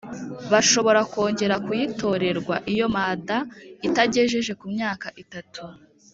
Bashobora kongera kuyitorerwa iyo mada itagejeje kumyaka itatu